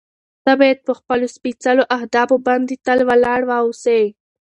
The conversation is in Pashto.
ته باید په خپلو سپېڅلو اهدافو باندې تل ولاړ واوسې.